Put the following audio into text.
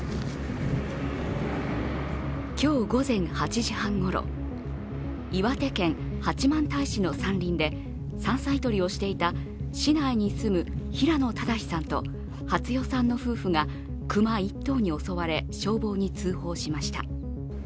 今日午前８時半ごろ岩手県八幡平市の山林で山菜採りをしていた市内に住む平野正さんと初代さんの夫婦が熊１頭に襲われ、消防に通報しました。